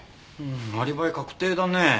うーんアリバイ確定だね。